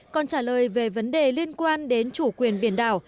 còn trả lời về vấn đề liên quan đến chủ quyền biển đảo